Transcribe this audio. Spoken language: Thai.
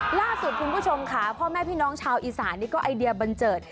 ล่าสุดคุณผู้ชมค่ะพ่อแม่พี่น้องชาวอีสานนี่ก็ไอเดียบันเจิด